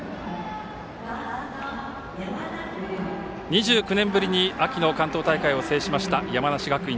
２９年ぶりに秋の関東大会を制した山梨学院。